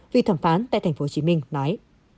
vị thẩm phán tại tp hcm nói